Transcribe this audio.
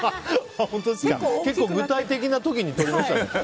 結構具体的な時に取りましたね。